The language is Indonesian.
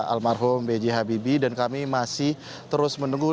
almarhum b j habibie dan kami masih terus menunggu